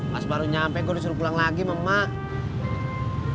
pas baru nyampe gue disuruh pulang lagi sama emak